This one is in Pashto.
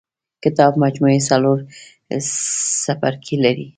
کتاب مجموعه څلور څپرکي لري.